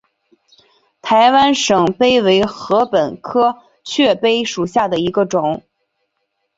台湾雀稗为禾本科雀稗属下的一个种。